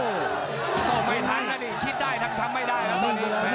ธากตัวไม่ทันซะที่คิดได้ทั้งทำไม่ได้